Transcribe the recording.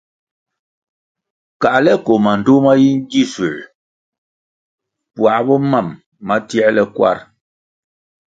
Káhle koh mandtoh ma yi ngisuer puáh bo mam ma tierle kwar.